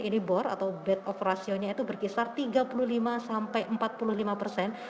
ini bor atau bed of ratio nya itu berkisar tiga puluh lima sampai empat puluh lima persen